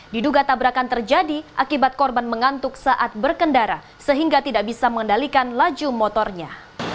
diduga tabrakan terjadi akibat korban mengantuk saat berkendara sehingga tidak bisa mengendalikan laju motornya